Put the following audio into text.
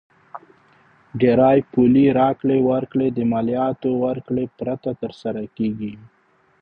ډېری پولي راکړې ورکړې د مالیاتو ورکړې پرته تر سره کیږي.